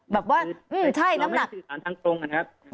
เราไม่ได้สื่อสารทั้งตรงนะครับ